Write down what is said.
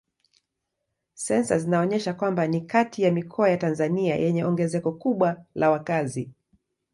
Sensa zinaonyesha kwamba ni kati ya mikoa ya Tanzania yenye ongezeko kubwa la wakazi.